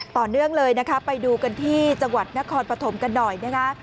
ต่อเนื่องเลยนะคะไปดูกันที่จังหวัดนครปฐมกันหน่อยนะคะ